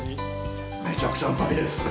めちゃくちゃうまいです。